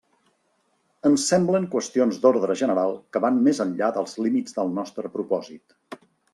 Ens semblen qüestions d'ordre general que van més enllà dels límits del nostre propòsit.